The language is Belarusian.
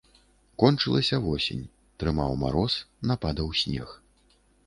Кончылася восень, трымаў мароз, нападаў снег.